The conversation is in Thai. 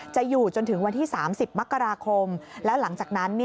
จะอยู่จนถึงวันที่๓๐มกราคมแล้วหลังจากนั้น